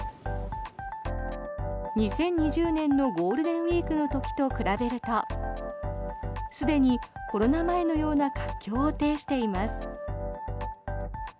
２０２０年のゴールデンウィークの時と比べるとすでにコロナ前のような活況を呈しています。